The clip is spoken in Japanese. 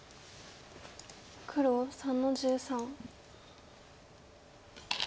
黒３の十三。